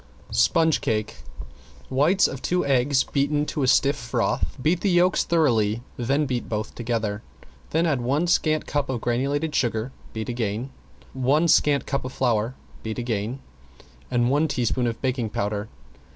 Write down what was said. ~SPONGE CAKE~ Whites of two eggs beaten to a stiff froth, beat the yolks thoroughly, then beat both together, then add one scant cup of granulated sugar (beating again), one scant cup of flour (beat again), and one teaspoon of baking powder.